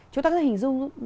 chúng ta có thể hình dung